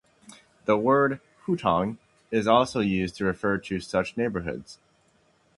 The word hutong is also used to refer to such neighbourhoods.